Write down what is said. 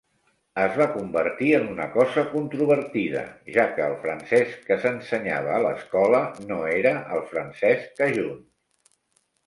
Es va convertir en una cosa controvertida, ja que el francès que s'ensenyava a l'escola no era el francès cajun.